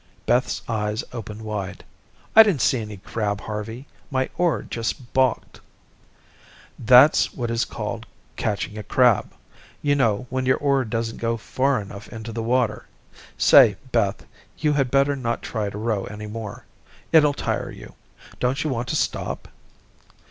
Beth's eyes opened wide. "I didn't see any crab, Harvey. My oar just balked." "That's what is called catching a crab, you know, when your oar doesn't go far enough into the water. Say, Beth, you had better not try to row any more. It'll tire you. Don't you want to stop?"